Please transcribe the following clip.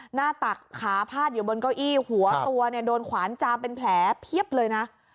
หน้าตักขาพาดอยู่บนเก้าอี้หัวตัวเนี่ยโดนขวานจามเป็นแผลเพียบเลยนะ